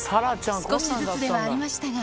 少しずつではありましたが。